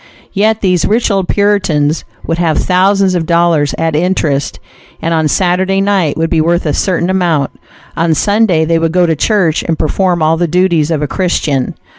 Yet these rich old Puritans would have thousands of dollars at interest, and on Saturday night would be worth a certain amount; on Sunday they would go to church and perform all the duties of a Christian.